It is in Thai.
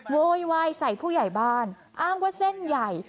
โวยวายใส่ผู้ใหญ่บ้านอ้างว่าเส้นใหญ่